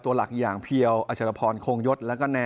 ตัวหลักอย่างเพียวอาชารพรโคงยศ